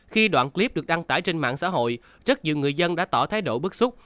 khi đoạn clip được đăng tải trên mạng xã hội rất nhiều người dân đã tỏ thái độ bức xúc